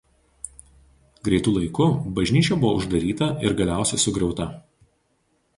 Greitu laiku bažnyčia buvo uždaryta ir galiausiai sugriauta.